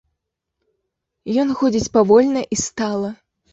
Ён ходзіць павольна і стала.